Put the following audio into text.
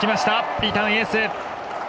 リターンエース。